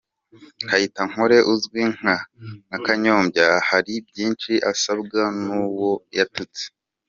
Kayitankore uzwi nka Kanyombya hari byinshi asabwa n'uwo yatutse.